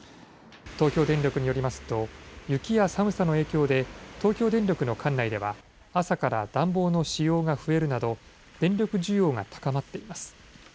東京電力によりますと雪や寒さの影響で東京電力の管内では朝から暖房の使用が増えるなど電力需要が高まっています。